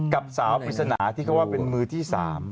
กับสาวปริศนาที่เขาว่าเป็นมือที่๓